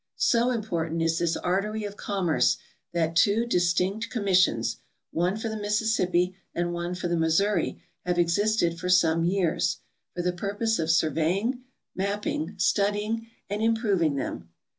So important is this artery of commerce that two distinct commis.sions, one for the Mississippi and one for the Missouri, have existed for some years for the purpose of surveying, mapping, studying, and im proving them.